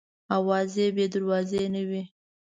اوازې بې دروازې نه وي.